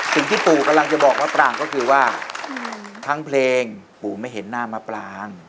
สิ่งที่ปู่กำลังจะบอกมะปรางก็คือว่าทั้งเพลงปู่ไม่เห็นหน้ามะปราง